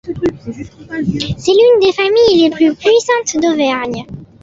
C'est l'une des familles les plus puissantes d'Auvergne.